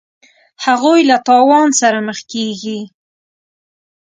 هغوی له تاوان سره مخ کیږي.